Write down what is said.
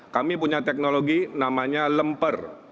kami punya teknologi namanya lemper